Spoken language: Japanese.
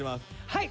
はい！